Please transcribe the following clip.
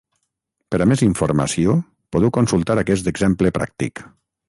Per a més informació, podeu consultar aquest exemple pràctic.